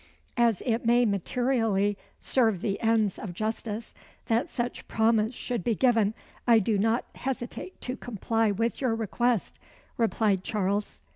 "As it may materially serve the ends of justice that such promise should be given, I do not hesitate to comply with your request," replied Charles.